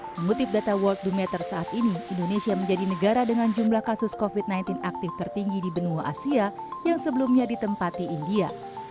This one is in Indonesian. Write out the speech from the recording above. mengutip data world dometter saat ini indonesia menjadi negara dengan jumlah kasus covid sembilan belas aktif tertinggi di benua asia yang sebelumnya ditempati india